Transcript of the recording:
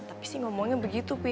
tapi sih ngomongnya begitu pi